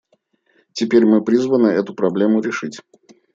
Теперь мы призваны эту проблему решить.